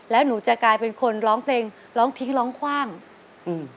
แล้วหนูจะกลายเป็นคนร้องเพลงร้องทิ้งร้องคว่างอืม